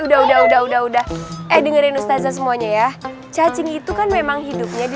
udah udah udah udah eh dengerin ustaza semuanya ya cacing itu kan memang hidupnya di